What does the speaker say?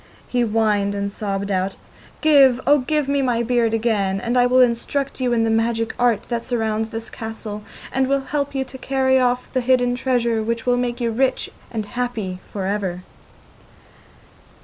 He whined and sobbed out: 'Give, oh give me my beard again, and I will instruct you in all the magic art that surrounds this castle, and will help you to carry off the hidden treasure, which will make you rich and happy for ever.